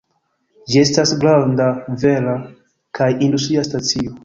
Ĝi estas granda vara kaj industria stacio.